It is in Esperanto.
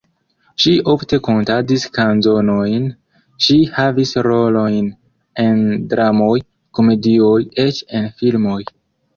Ŝi ofte kantadis kanzonojn, ŝi havis rolojn en dramoj, komedioj, eĉ en filmoj.